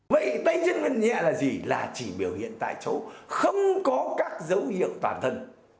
vậy tay chân miệng nhẹ là gì là chỉ biểu hiện tại chỗ không có các dấu hiệu toàn thân